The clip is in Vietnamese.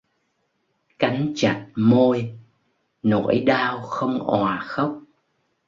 Cắn chặt môi, nỗi đau không òa khóc